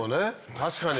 確かに。